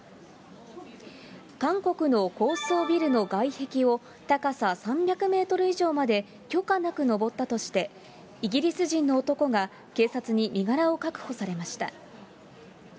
韓国の高層ビルの外壁を、高さ３００メートル以上まで許可なく登ったとして、イギリス人の男が警察に身柄を確保されました。